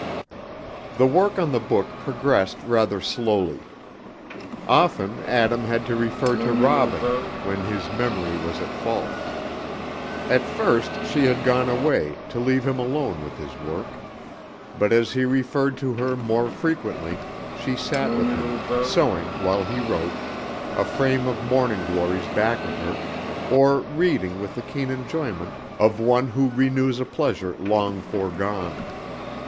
The work on the book progressed rather slowly. Often Adam had to refer to Robin when his memory was at fault. At first she had gone away, to leave him alone with his work, but as he referred to her more frequently, she sat with him, sewing while he wrote, a frame of morning glories back of her, or reading with the keen enjoyment of one who renews a pleasure long foregone.